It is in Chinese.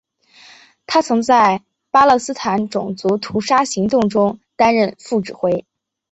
他曾在巴勒斯坦种族屠杀行动中担任副指挥。